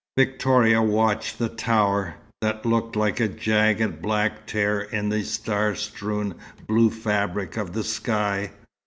Victoria watched the tower, that looked like a jagged black tear in the star strewn blue fabric of the sky.